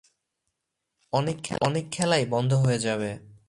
অনেক খেলাই বন্ধ হয়ে যাবে।